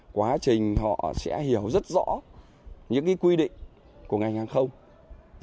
quá trình họ sẽ hiểu rất rõ những quy định của ngành hàng không